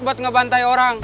buat ngebantai warung soto